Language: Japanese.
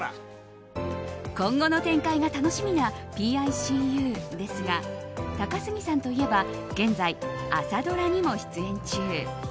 今後の展開が楽しみな「ＰＩＣＵ」ですが高杉さんといえば現在、朝ドラにも出演中。